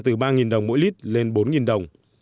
từ ba đồng mỗi lit lên bốn đồng